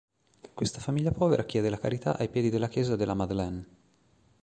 Questa famiglia povera chiede la carità ai piedi della chiesa della Madeleine.